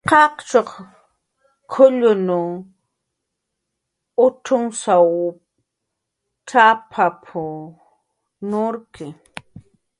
"Qaqchuq k""ullun ucx""unsaw cx""apap"" nurki"